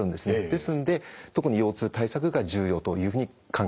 ですんで特に腰痛対策が重要というふうに考えております。